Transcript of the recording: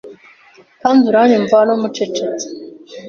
Kandi uranyumva no mucecetse